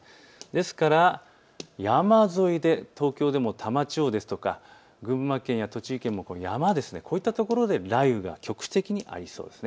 ですから、山沿いで東京でも多摩地方ですとか群馬県や栃木県、山、こういった所で雷雨が局地的にありそうです。